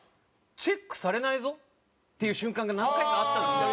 チェックされないぞ？っていう瞬間が何回かあったんですよ。